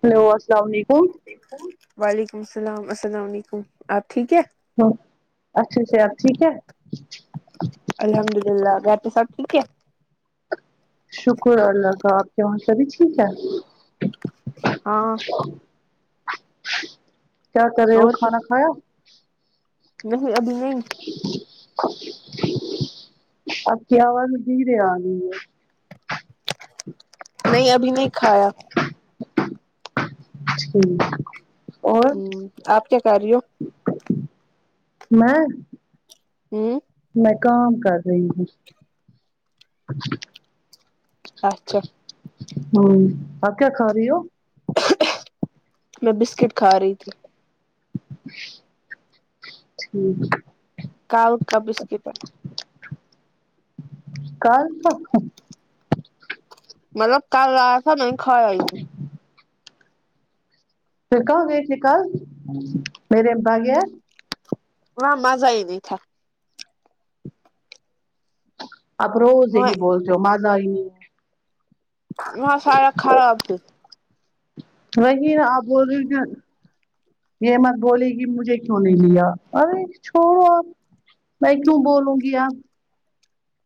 hello السلاو علیکم وعلیکم السلام السلام علیکم آپ ٹھیک ہے ہاں اچھے سےآپ ٹھیک ہے الحمد للہ گھر پے سب ٹھیک ہے شکر ہے اللہ کا آپ کے وہاں سبھی ٹھیک ہے ہاں کیا کر رہے ہو اور کھانا کھایا نہیں ابھی نہیں آپ کی آواز دھیرے آ رہی ہے نہیں ابھی نہیں کھایا ٹھیک اور ہوں آپ کیا کر رہی ہو میں ہوں میں کام کر رہی ہوں اچھا ہوں آپ کیا کھا رہی ہو میں بسکٹ کھا رہی تھی ٹھیک کاجو کا بسکٹ ہے [inaudible] کل سا مطلب کل لا یا تھا نہیں کھایا یہ پھر کہاں گئی تھی کل میرے بغیر وہاں مزہ ہی نہی تھا آپ روز یہی وہاں بولتے ہو مزہ ہی نہی وہاں سارا خراب ہے وہی آپ بول رہی یہ مت بولئے کہ مجھے کیوں نہیں لیا ارے چھوڑو آپ میں کیوں بولوں گی آ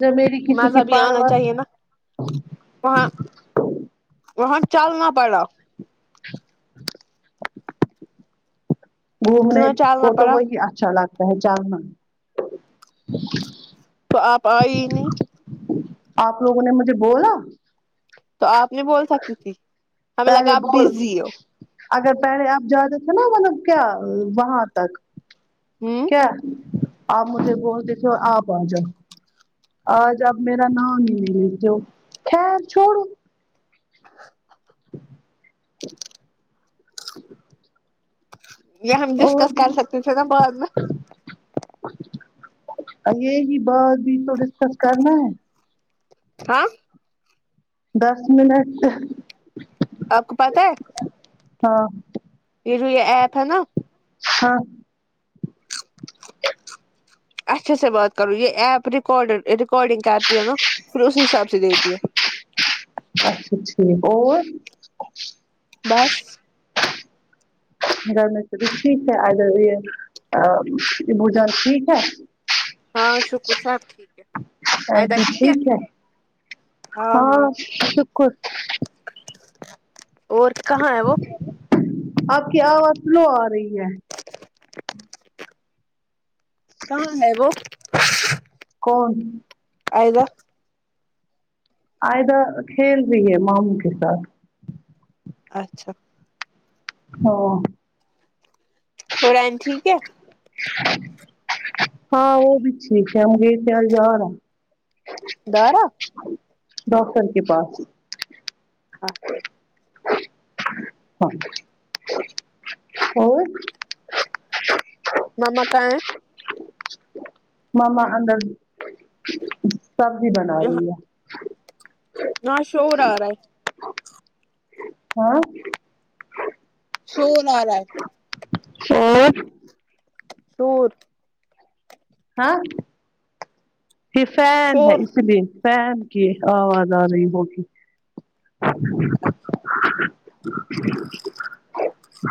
جب میری کسی مزہ کی بھی آنا پاروا چاہیے نا وہاں وہاں چلنا پڑا گھومنے اتنا کو چلنا تو پڑا وہی اچھا لگتا ہے چارنا تو آپ آئے ہی نہیں آپ لوگوں نے مجھے بولا تو آپ نے بول سکتی تھی ہمیں لگا پہلے آپ بول بزی ہو اگر پہلے آپ جاتے تھے نا مطلب کیا وہاں تک ہ کیا آپ مجھے وہ دیکھو آپ آ جاؤ آج اپ میرا نام نہیں لیتے ہو خیر چھوڑو یہ ہم اور ڈسکس کر سکتے تھے نا بعد میں اب یہی بات بھی تو ڈسکس کرنا ہے ہاں دس منٹ سے آپ کو پتہ ہے ہاں یہ جو یہ ایپ ہے نا ہاں اچھے سے بات کروں یہ ایپ رار ریکارڈنگ کرتی ہے نا پھر اسی حساب سے دیتی ہے اچھا ٹھیک اور [inaudible] بس گھر میں سب ہی ٹھیک ہے اچھا جی ابوجان ٹھیک ہے ہاں شکر صاحب آءزہ ٹھیک ہے ایدا ٹھیک ہے ہاں ہاں شکر اور کہاں ہے وہ آپکی آواز لو آ رہی ہے کہاں ہے وہ کون آئذہ آئذہ کھیل رہی ہے ماموں کے ساتھ اچھا ہاں ہورہن ٹھیک ہے ہاں وہ بھی ٹھیک ہے دارا ڈاکٹر کے پاس اچھا اں اور مما کہاں ہے ماما اندر سبزی بنا رہی ہے یہاں شور آ رہا ہے ہاں شور آ رہا ہے اور بہت ہاں یہ فین ہے شور اس لیے فین کی آواز آ رہی ہوگی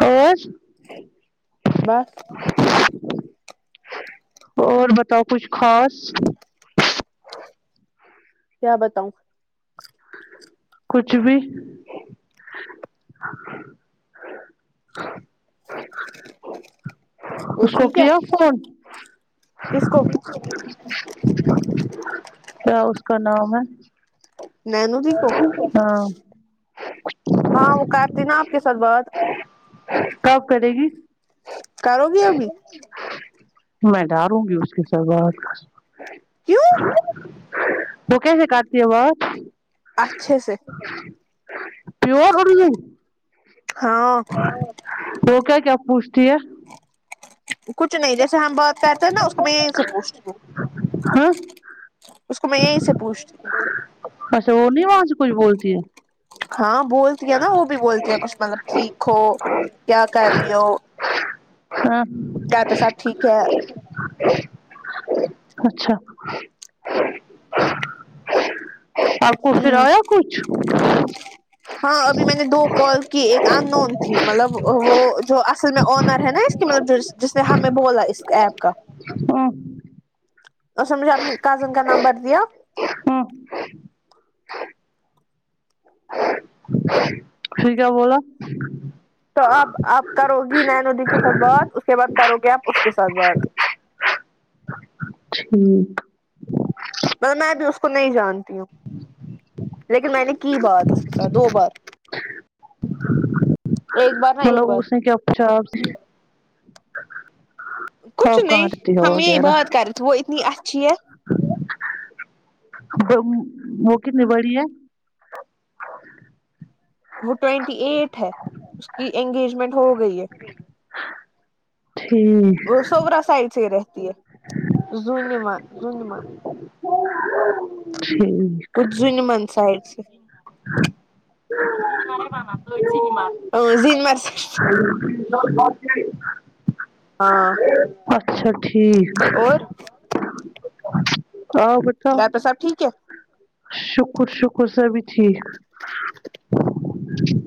اور بس اور بتاؤ کچھ خاص کیا بتاؤں کچھ بھی وہ اس کو ٹھیک ہے کیا فون کس کو کیا اس کا نام ہے نینو جی کو ہاں ہاں وہ کارتی نا آپ کے ساتھ بات کب کرے گی کروگی ابھی میں ڈاروں گی اس کے ساتھ بات کیوں وہ کیسے کرتی ہے بات اچھے سے پیور اردو ہاں وہ کیا کیا پوچھتی ہے کچھ نہیں جیسے ہم بات کرتے ہیں نا اس کو میں یہیں سے پوچھتی ہوں ہاں اس کو میں یہیں سے پوچھتی ہوں اچھا وہ نہیں وہاں سے کچھ بولتی ہے ہاں بولتی ہے نا وہ بھی بولتی ہے کچھ مطلب ٹھیک ہو کیا کر رہی ہو ہاں گھر پہ سب ٹھیک ہے اچھا آپ کو پھر ہوں آیا کچھ ہاں ابھی میں نے دو کال کی ایک ان نون تھی مطلب وہ جو اصل میں آنر ہے نا مطلب جس جس نے ہمیں بولا اس ایپ کا ہوں اس نے مجھے اپنی کزن کا نمبر دیا ہوں پھر کیا بولا تو اپ آپ کرو گی نینودی کے ساتھ بات اس کے بعد کرو گے آپ اس کے ساتھ بات ٹھیک مطب میں بھی اس کو نہیں جانتی ہوں لیکن میں نے کی بات اس کے ساتھ دو بات ایک بار نہ ایک مطلب بار اس نے کیا پوچھاآپ سے کچھ آپ نہیں کہاں رہتی ہو ہم یہی بات کر رہے تھے وہ اتنی اچھی ہے غم وہ کتنی بڑی ہے وہ ٹوینٹی ایٹ ہے اس کی انگیجمنٹ ہو گئی ہے ج ٹھیک سوگرا سائڈ سے ہی رہتی ہے زونیما زو نیما [inaudible] ٹھیک کچھ جن من سایڈ سے ا زینمر سائڈ [unintelligible] ہاں اچھا ٹھیک اور ہاں بٹ ڈاکٹر صاحب ٹھیک ہے شکر شکر سبھی ٹھیک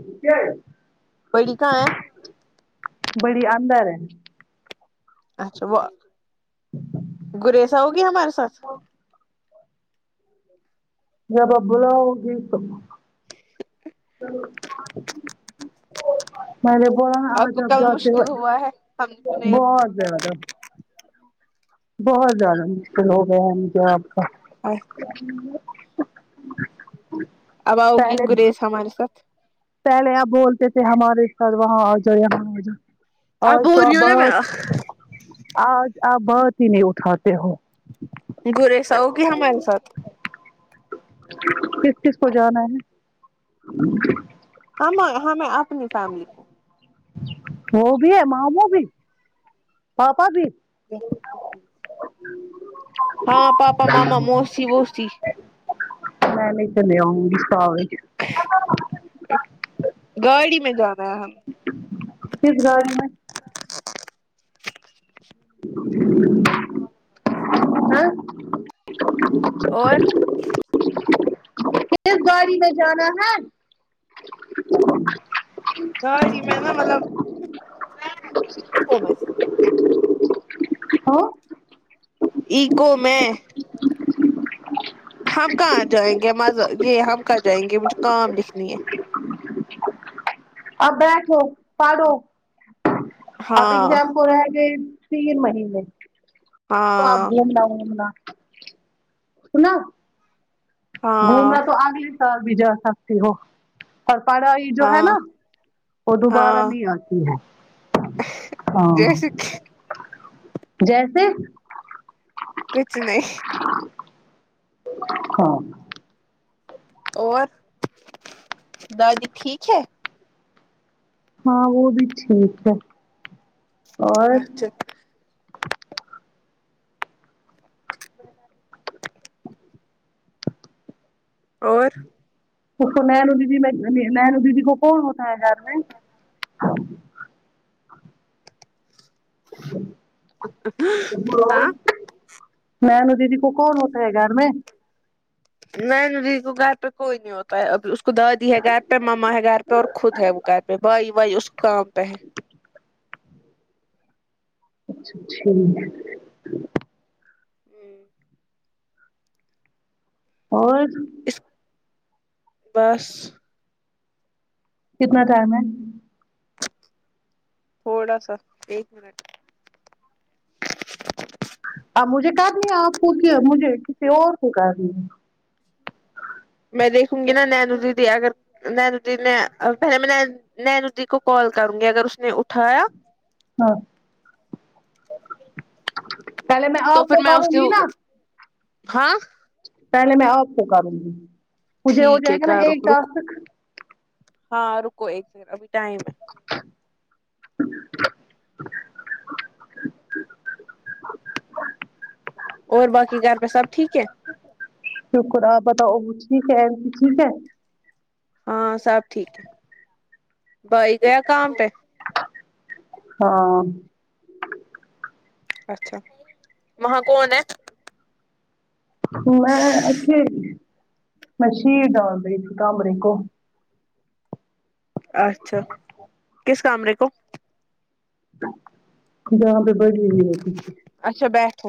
یہ کیا ہے بڑی کہا ہے بڑی اندر ہے اچھا وہ بھروسہ ہوا ہمارے ساتھ ہ جب اپ بلاؤگی تو میں نے بولا نا آپ کو جب کل جاتے ہو مشکل ہوا ہے ہم نے بہت زیادہ بہت زیادہ مشکل ہو گیا ہے مجھے آپ کا اب آؤ گی پہلے گریز ہمارے ساتھ پہلے آپ بولتے تھے ہمارے ساتھ وہاں آجاؤ یہاں آجاؤ اب آج بول تو آپ رہی ہوں نا میں بہت آج آپ بات ہی نہیں اٹھاتے ہو گرییس آوگی ہمارے ساتھ کس کس کو جانا ہے ہم ہمیں اپنی فیملی کو وہ بھی ہے ماموں بھی پاپا بھی ہاں پاپا ماما موسی وسی میں نہیں تو لئے آؤنگی صدی گاڑی میں جارہے ہم کس گاڑی میں ہ اور کس گاڑی میں جانا ہے گاڑی میں نا مطلب [inaudible] میں ہاں اءکو میں ہم کہاں جائیں گے مز یہ ہم کہاں جائیں گے مجھے کام لکھنی ہے اور بیٹھو پڑھو اپ ہاں ایگزام کو رہے گے تین مہینے تو آپ ہاں گھر نہ گومنا سنا ہاں گھومنا تو اگلے سال بھی جا سکتی ہو اور پڑھائی یہ جو ہے ہاں نا وہ دوبارہ ہاں نہیں آتی ہے ہاں جیسے جیسے کچھ نہیں ہاں اور دادی ٹھیک ہے ہاں وہ بھی ٹھیک ہے اور اچھا [unintelligible] اور اس کو نینو دیدی میں نینو دیدی کو کون ہوتا ہے گھر میں ہاں میںینوں دیدی کو کون ہوتا ہے گھر میں نینہ دیدی کے گھر پہ کوئی نہیں ہوتا اب اس کو دادی ہے گھر پہ مما ہے گھر پہ اور خود ہے وہ گھر پہ بھائی وائی اس کام پہ ہے اچھا ٹھیک ہے ہوں اور اس بس کتنا ٹائم ہے تھوڑا سا ایک منٹ آ مجھے کرنی ہے آپ کو کہ مجھے کسی اور کو کرنی ہے میں دیکوں گی نا نینو جدی اگر نینہ دیدی نے پہلے میں نینہ دیدی کو کال کروں گی اگر اس نے اٹھایا ہاں پہلے میں تو آپ پھر کو میں اس کروں کے گی نا ہاں پہلے میں آپ کو کروں گی مجھے ٹھیک ہوجاے ہے گا نا کرو ایک رکو ٹاسک ہاں رکو ایک سیکنڈ ابھی ٹائم ہے اور باقی گھر پہ سب ٹھیک ہے شکر آپ بتاؤ وہ ٹھیک ہے ایفی کی ٹھیک ہے ہاں سب ٹھیک ہے بھائی گیا کام پہ ہاں اچھا وہاں کون ہے میں اھے مشید آ گئی تھی کمرے کو اچھا کس کمرے کو جہاں پہ بھی رہی تھی اچھا بیٹھو